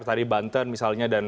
dari banten misalnya